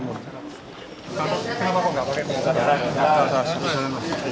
kenapa kok gak boleh